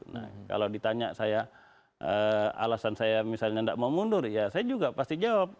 nah kalau ditanya saya alasan saya misalnya tidak mau mundur ya saya juga pasti jawab